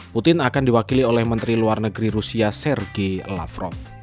putin akan diwakili oleh menteri luar negeri rusia sergei lavrov